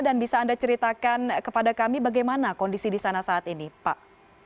dan bisa anda ceritakan kepada kami bagaimana kondisi di sana saat ini pak